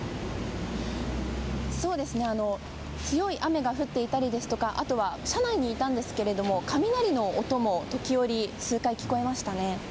強い雨が降っていたりとかあとは、車内にいたんですが雷の音も時折、数回聞こえました。